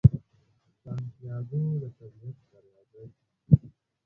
سانتیاګو د طبیعت سره یو ځای کیږي.